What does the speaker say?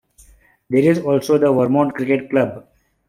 There is also the Vermont Cricket Club.